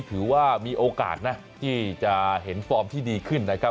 ถือว่ามีโอกาสนะที่จะเห็นฟอร์มที่ดีขึ้นนะครับ